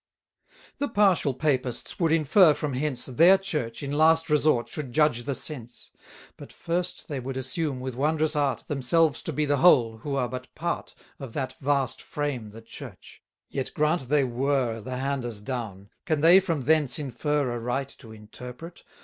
The partial Papists would infer from hence, Their Church, in last resort, should judge the sense. But first they would assume, with wondrous art, Themselves to be the whole, who are but part, Of that vast frame the Church; yet grant they were 360 The handers down, can they from thence infer A right to interpret?